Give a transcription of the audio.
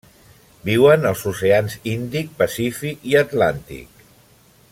Viuen als oceans Índic, Pacífic i Atlàntic.